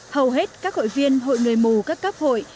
hầu hết các hội viên hội người mù các cấp hội